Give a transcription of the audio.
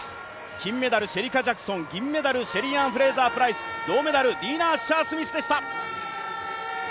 金メダル、シェリカ・ジャクソン、銀メダルシェリーアン・フレイザー・プライス銅メダル、ディナ・アッシャー・スミスでした。